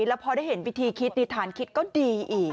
แล้วพอได้เห็นวิธีคิดดีฐานคิดก็ดีอีก